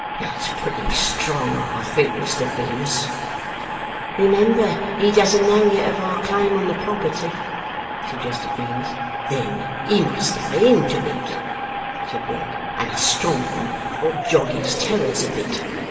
That's pretty strong, I think, Mr Venus?' 'Remember he doesn't know yet of our claim on the property,' suggested Venus. 'Then he must have a hint of it,' said Wegg, 'and a strong one that'll jog his terrors a bit.